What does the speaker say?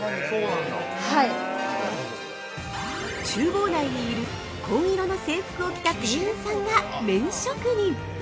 ◆厨房内にいる紺色の制服を着た店員さんが麺職人。